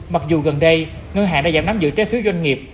mặc dù gần đây ngân hàng đã giảm nắm giữ trái phiếu doanh nghiệp